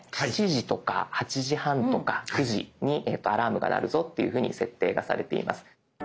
７時とか８時半とか９時にアラームが鳴るぞっていうふうに設定がされています。